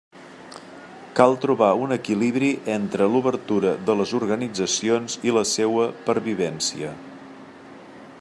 Cal trobar un equilibri entre l'obertura de les organitzacions i la seua pervivència.